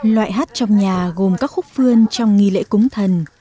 loại hát trong nhà gồm các khúc phương trong nghi lễ cúng thần